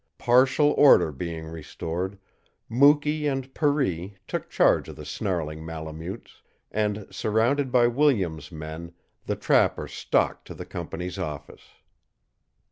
Partial order being restored, Mukee and Per ee took charge of the snarling Malemutes, and, surrounded by Williams' men, the trapper stalked to the company's office.